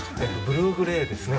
ブルーグレーですね。